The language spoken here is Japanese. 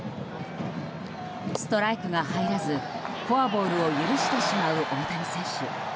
ストライクが入らずフォアボールを許してしまう大谷選手。